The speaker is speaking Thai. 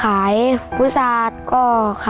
ทำเป็นผู้สาเชื่อมให้น้องรักปั่นจักรยานไปขายตามหมู่บ้านค่ะ